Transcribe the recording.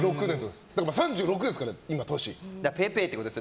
でも３６ですから、今、年。